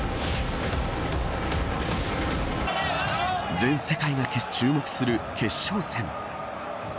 全世界が注目する決勝戦。